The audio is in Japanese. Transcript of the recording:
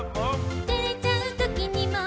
「照れちゃう時にも」